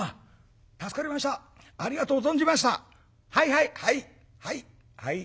「はいはいはいはい。